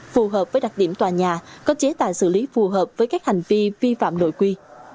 phù hợp với đặc điểm tòa nhà có chế tài xử lý phù hợp với các hành vi vi phạm nội quy